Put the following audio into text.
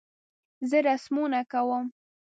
زه رسمونه کوم